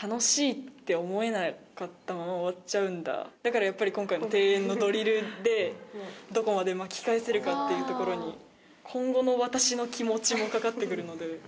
楽しいって思えなかったまま終わっちゃうんだ、だからやっぱり今回の定演のドリルで、どこまで巻き返せるかっていうところに、今後の私の気持ちもかかってくるので。